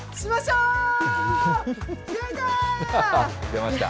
出ました。